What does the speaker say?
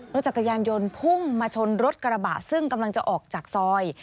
รถจักรยานยนต์พุ่งมาชนรถกระบะซึ่งกำลังจะออกจากซอย